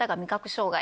障害